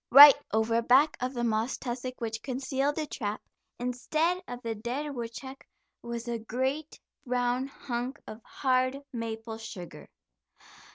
Right over back of the moss tussock which concealed the trap, instead of the dead woodchuck was a great, brown hunk of hard maple sugar.